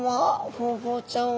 ホウボウちゃんは？